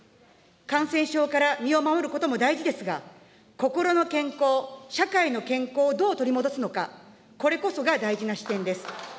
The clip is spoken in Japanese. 感染症から身を守ることも大事ですが、心の健康、社会の健康をどう取り戻すのか、これこそが大事な視点です。